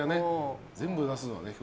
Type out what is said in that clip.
全部出すのはね。